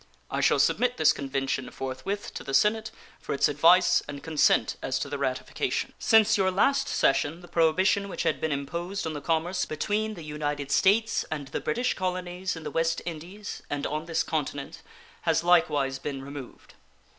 I shall submit this convention forthwith to the Senate for its advice and consent as to the ratification. Since your last session the prohibition which had been imposed on the commerce between the United States and the British colonies in the West Indies and on this continent has likewise been removed.